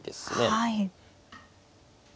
はい。